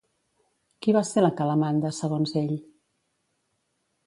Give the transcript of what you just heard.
Qui va ser la Calamanda, segons ell?